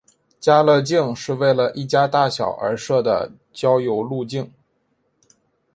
家乐径是为了一家大小而设的郊游路径。